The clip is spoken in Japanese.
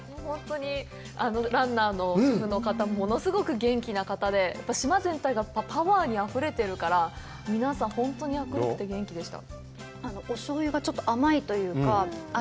ランナーの主婦の方、物すごく元気な方で、島全体がパワーにあふれてるから、皆さん本当に明るくて元気でした。